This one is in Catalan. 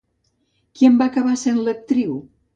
Qui en va acabar sent l'actriu?